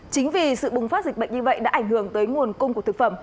chính vì sự bùng phát dịch bệnh như vậy đã ảnh hưởng tới nguồn cung của thực phẩm